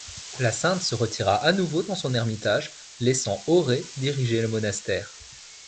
La sainte se retira à nouveau dans son ermitage, laissant Aurée diriger le monastère.